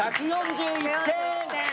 １４１点！